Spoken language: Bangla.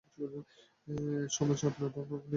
সমাজ আপনার ভাবনা আপনি ভাবুক গে।